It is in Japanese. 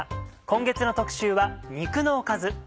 今月の特集は「肉のおかず」。